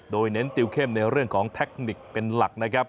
โดยเน้นติวเข้มในเรื่องของเทคนิคเป็นหลักนะครับ